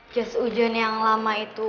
jas ujian yang lama itu